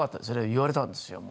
言われたんですよ。